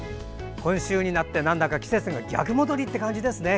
今週になって、なんだか季節が逆戻りって感じですね。